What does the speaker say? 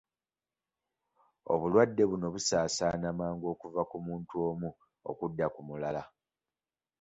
Obulwadde buno busaasaana mangu okuva ku muntu omu okudda ku mulala.